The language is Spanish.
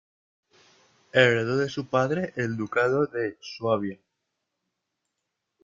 Heredó de su padre el Ducado de Suabia.